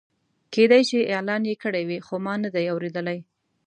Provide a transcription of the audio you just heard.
کېدای شي اعلان یې کړی وي خو ما نه دی اورېدلی.